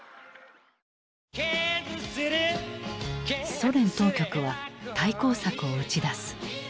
ソ連当局は対抗策を打ち出す。